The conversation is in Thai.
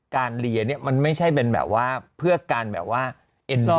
เรียนเนี่ยมันไม่ใช่เป็นแบบว่าเพื่อการแบบว่าเอ็นรอ